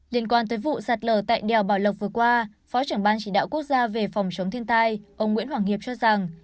liên quan tới vụ sạt lở tại đèo bảo lộc vừa qua phó trưởng ban chỉ đạo quốc gia về phòng chống thiên tai ông nguyễn hoàng hiệp cho rằng